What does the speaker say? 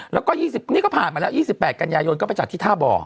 แล้วก็๒๐นี่ก็ผ่านมาแล้ว๒๘กันยายนก็ไปจัดที่ท่าบ่อ